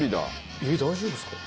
えっ大丈夫ですか？